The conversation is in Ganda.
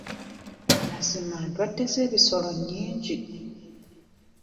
Amazima ndwadde z'ebisolo nnyingi.